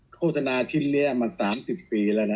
โฆษณาที่เรียกมา๓๐ปีแล้ว